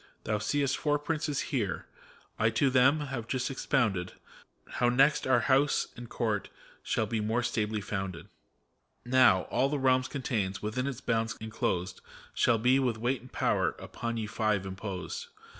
ACT IF. 219 Thou seest Four Princes here I To them we've just expounded How next our House and Court shall be more stably founded. Nowy all the realm contains, within its bounds enclosed, Shall be, with weight and power, upon Ye Five im posed!